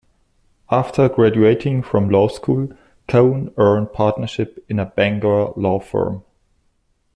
After graduating from law school, Cohen earned partnership in a Bangor law firm.